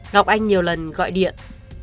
ngọc anh nhiều lần gọi điện